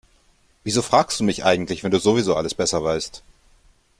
Wieso fragst du mich eigentlich, wenn du sowieso alles besser weißt?